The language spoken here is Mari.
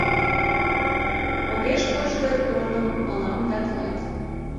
Огеш поч дыр корным мылам да тылат.